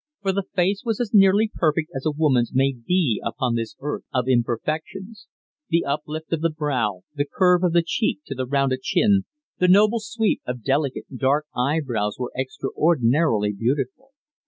For the face was as nearly perfect as a woman's may be upon this earth of imperfections. The uplift of the brow, the curve of the cheek to the rounded chin, the noble sweep of delicate, dark eyebrows were extraordinarily beautiful.